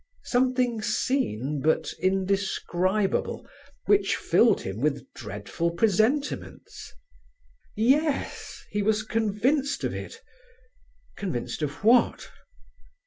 Something seen, but indescribable, which filled him with dreadful presentiments? Yes, he was convinced of it—convinced of what?